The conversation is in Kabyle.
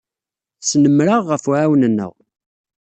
Tesnemmer-aɣ ɣef uɛawen-nneɣ.